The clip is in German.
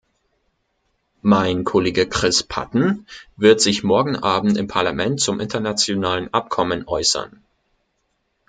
Mein Kollege Chris Patten wird sich morgen Abend im Parlament zum internationalen Abkommen äußern.